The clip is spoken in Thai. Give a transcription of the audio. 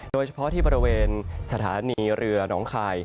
โดยเฉพาะที่บริเวณสถานีเรือหนองคาย